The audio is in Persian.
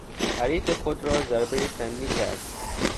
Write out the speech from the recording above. حریف خود را ضربهی فنی کرد.